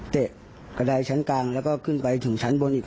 เตะกระดายชั้นกลางแล้วก็ขึ้นไปถึงชั้นบนอีก